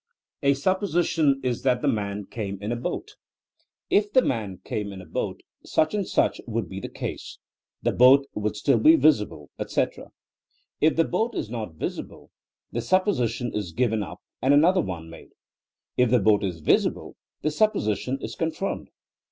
A sup position is that the man came in a boat // the man came in a boat such and such would be the case — ^the boat would still be visible, etc. If the boat is not visible the supposition is given up and another one made ; if the boat is visible the supposition is confirmed.